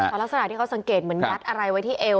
เอาลักษณะที่เขาสังเกตเหมือนงัดอะไรไว้ที่เอว